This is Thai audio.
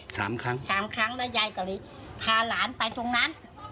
สามครั้งสามครั้งแล้วยายก็เลยพาหลานไปตรงนั้น